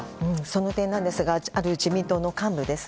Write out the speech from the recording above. その点ですがある自民党の幹部です。